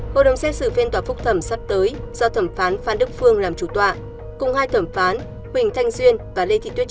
hội đồng xét xử phiên tòa phúc thẩm sắp tới do thẩm phán phan đức phương làm chủ tọa cùng hai thẩm phán huỳnh thanh duyên và lê thị tuyết